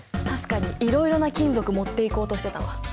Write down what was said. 確かにいろいろな金属持っていこうとしてたわ。